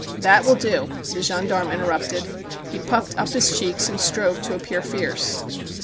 "That will do," the gendarme interrupted. He puffed up his cheeks and strove to appear fierce.